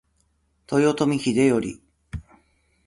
豊臣秀頼